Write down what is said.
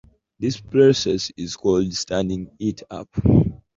This process is called "standing it up".